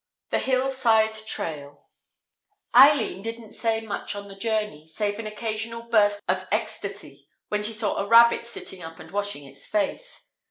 IV The Hill Side Trail Eileen didn't say much on the journey, save an occasional burst of ecstasy when she saw a rabbit sitting up and washing its face.